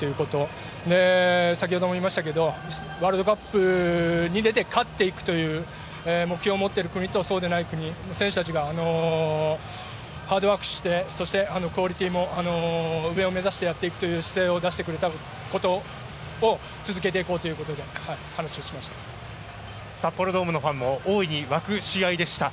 そして、先ほども言いましたけどワールドカップに出て勝っていくという目標を持っている国とそうでない国選手たちがハードワークしてクオリティーも上を目指してやっていく姿勢を出してくれたことを続けていこうということで札幌ドームのファンも大いに沸く試合でした。